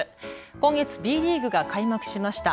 今月、Ｂリーグが開幕しました。